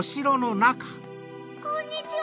こんにちは。